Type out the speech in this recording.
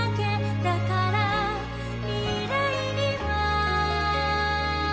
「だから未来には」